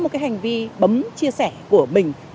một cái hành vi bấm chia sẻ của mình